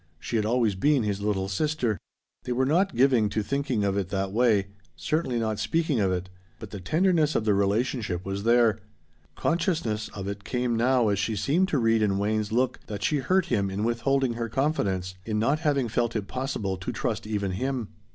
She had always been his little sister. They were not giving to thinking of it that way certainly not speaking of it but the tenderness of the relationship was there. Consciousness of it came now as she seemed to read in Wayne's look that she hurt him in withholding her confidence, in not having felt it possible to trust even him.